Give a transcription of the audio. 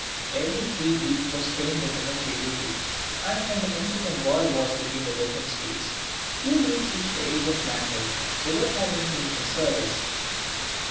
Every free Greek was trained to military duty: and, from the incessant border wars between the different states, few Greeks reached the age of manhood without having seen some service.